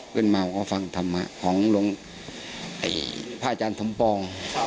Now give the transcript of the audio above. ขึ้นมาก็ฟังธรรมะของพระอาจารย์สมปอง